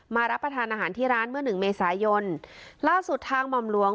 รับประทานอาหารที่ร้านเมื่อหนึ่งเมษายนล่าสุดทางหม่อมหลวง